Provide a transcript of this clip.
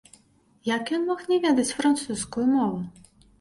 Як ён мог не ведаць французскую мову?